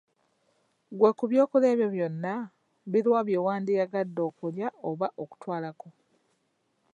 Ggwe ku by'okulya ebyo byonna biluwa byewandyagadde okulya oba okutwalako?